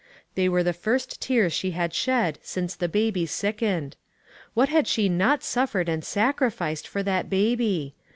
They were the first tears she had shed since the baby sickened What had she not suffered and sacrificed for that baby